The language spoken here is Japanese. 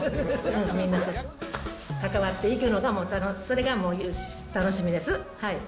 みんなと関わっていくのがもう、それがもう楽しみです。